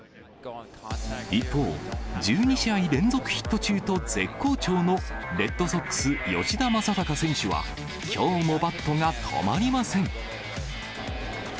一方、１２試合連続ヒット中と、絶好調のレッドソックス、吉田正尚選手は、きょうもバットが止まりません。